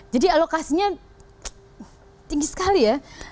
jadi alokasinya tinggi sekali ya